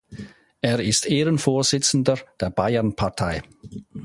Er ist Ehrenvorsitzender der Bayernpartei.